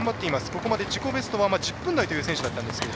ここまで自己ベストは１０分台という選手。